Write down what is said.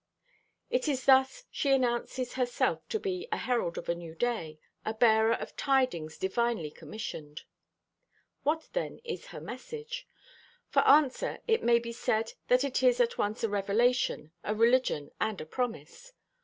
It is thus she announces herself to be a herald of a new day, a bearer of tidings divinely commissioned. What, then, is her message? For answer it may be said that it is at once a revelation, a religion and a promise.